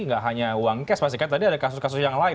nggak hanya uang cash pasti kan tadi ada kasus kasus yang lain